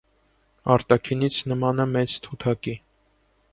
Արտաքինից նման է մեծ թութակի։